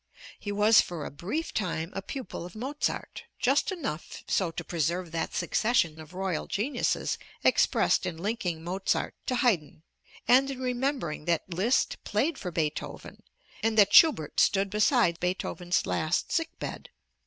He was for a brief time a pupil of Mozart; just enough so to preserve that succession of royal geniuses expressed in linking Mozart to Haydn, and in remembering that Liszt played for Beethoven and that Schubert stood beside Beethoven's last sick bed.